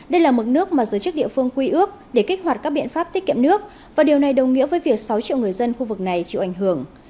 đây là mức nước mà giới chức địa phương quy ước để kích hoạt các biện pháp tiết kiệm nước và điều này đồng nghĩa với việc sáu triệu người dân khu vực này chịu ảnh hưởng